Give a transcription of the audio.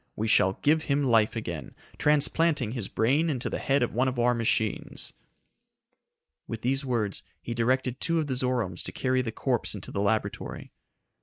We shall give him life again, transplanting his brain into the head of one of our machines." With these words he directed two of the Zoromes to carry the corpse into the laboratory.